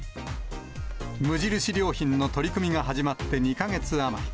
無印良品の取り組みが始まって２か月余り。